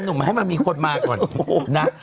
มาให้มันมีคนมาก่อนนะ